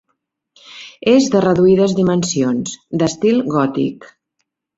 És de reduïdes dimensions, d'estil gòtic.